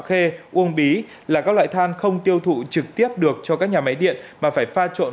khê uông bí là các loại than không tiêu thụ trực tiếp được cho các nhà máy điện mà phải pha trộn